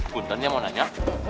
punten ya mau nanya